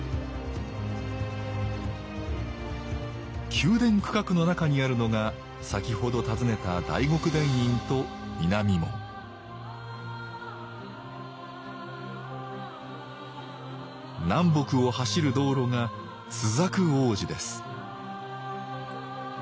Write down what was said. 宮殿区画の中にあるのが先ほど訪ねた大極殿院と南門南北を走る道路が朱雀大路です